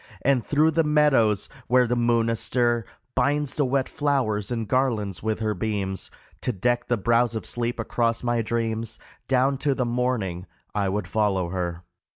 59 LAMENT FOR LILIAN And through the meadows where the moon a stir Binds the wet flowers in garlands with her beams To deck the brows of sleep, across my dreams, Down to the morning I would follow her.